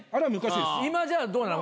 今じゃあどうなの？